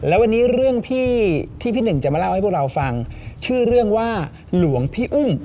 แล้ววันนี้เรื่องที่พี่หนึ่งจะมาเล่าให้พวกเราฟังชื่อเรื่องว่าหลวงพี่อึ้ง